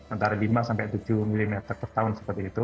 antara lima sampai tujuh mm per tahun seperti itu